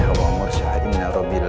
ayo bumi kita susur pak yai